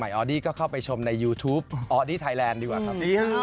พี่ออดี้ได้ยินมาว่าพี่ออดี้จะแต่งเพลงไว้